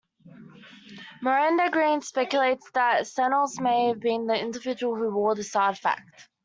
Miranda Green speculates that Senilis may have been the individual who wore this artifact.